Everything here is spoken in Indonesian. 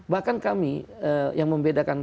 bahkan kami yang membedakan